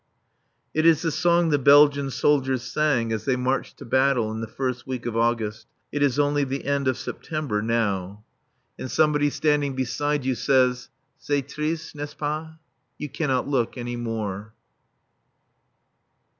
_ It is the song the Belgian soldiers sang as they marched to battle in the first week of August. It is only the end of September now. And somebody standing beside you says: "C'est triste, n'est ce pas?" You cannot look any more.